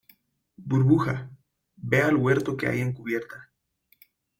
burbuja , ve al huerto que hay en cubierta